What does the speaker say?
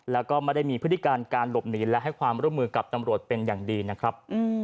แล้วก็ไม่ได้มีพฤติการการหลบหนีและให้ความร่วมมือกับตำรวจเป็นอย่างดีนะครับ